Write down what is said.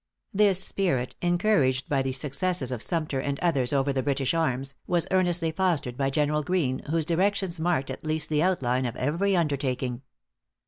This spirit, encouraged by the successes of Sumter and others over the British arms, was earnestly fostered by General Greene, whose directions marked at least the outline of every undertaking.